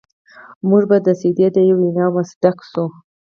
موږ به د سعدي د یوې وینا مصداق شو.